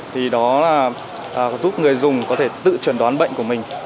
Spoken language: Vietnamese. thì đó là giúp người dùng có thể tự chuẩn đoán bệnh của mình